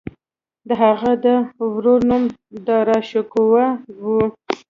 د هغه د ورور نوم داراشکوه و.